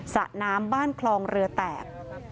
สระน้ำบ้านคลองเรือแตก